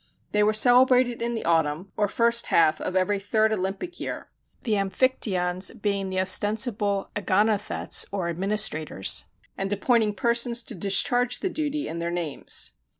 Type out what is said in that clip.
They were celebrated in the autumn, or first half of every third Olympic year; the Amphictyons being the ostensible Agonothets or administrators, and appointing persons to discharge the duty in their names.